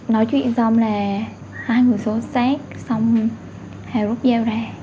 nói chuyện xong là hai người xô xát xong hẹo rút dao ra